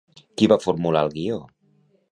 Qui va formular el guió?